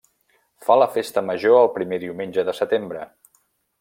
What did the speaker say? Fa la festa major el primer diumenge de setembre.